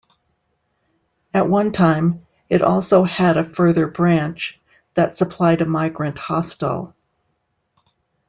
At one time, it also had a further branch, that supplied a migrant hostel.